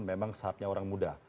memang saatnya orang muda